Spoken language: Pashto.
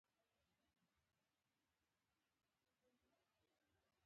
او په دواړو یې پر سوات حمله وکړه.